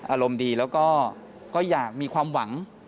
อารมณ์ดีแล้วก็อยากมีความหวัง